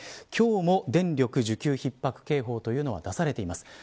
今日も電力需給ひっ迫警報というのは出されています。